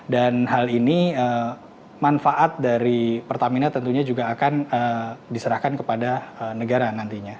dan hal ini manfaat dari pertamina tentunya juga akan diserahkan kepada negara nantinya